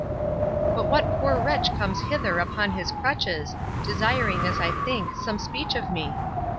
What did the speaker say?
—But what poor wretch comes hither upon his crutches, desiring, as I think, some speech of me?